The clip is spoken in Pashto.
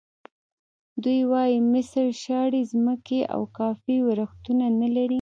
دوی وایي مصر شاړې ځمکې او کافي ورښتونه نه لري.